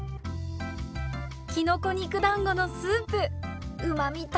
きのこ肉だんごのスープうまみ